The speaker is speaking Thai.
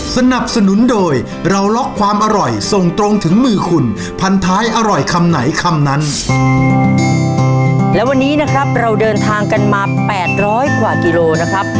และวันนี้นะครับเราเดินทางกันมาแปดร้อยกว่ากิโลนะครับ